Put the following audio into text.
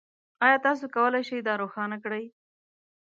ایا تاسو کولی شئ دا روښانه کړئ؟